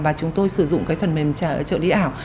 và chúng tôi sử dụng cái phần mềm trợ lý ảo